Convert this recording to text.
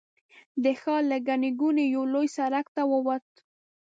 د ښار له ګڼې ګوڼې یوه لوی سړک ته ووت.